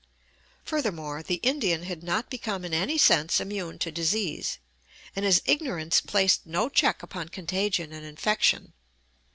Furthermore, the Indian had not become in any sense immune to disease, and his ignorance placed no check upon contagion and infection.